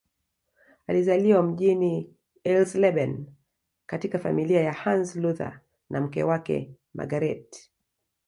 Alizaliwa mjini Eisleben katika familia ya Hans Luther na mke wake Margarethe